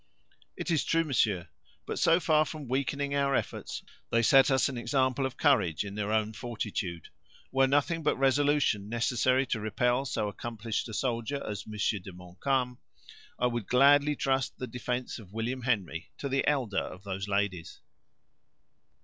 "It is true, monsieur; but, so far from weakening our efforts, they set us an example of courage in their own fortitude. Were nothing but resolution necessary to repel so accomplished a soldier as M. de Montcalm, I would gladly trust the defense of William Henry to the elder of those ladies."